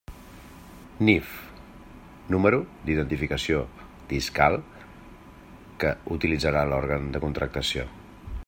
NIF: número d'identificació discal que utilitzarà l'òrgan de contractació.